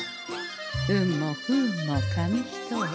運も不運も紙一重。